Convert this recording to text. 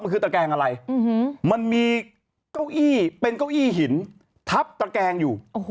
มันคือตะแกงอะไรมันมีเก้าอี้เป็นเก้าอี้หินทับตะแกงอยู่